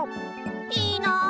いいな！